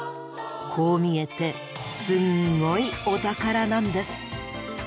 こう見えてすんごいお宝なんです。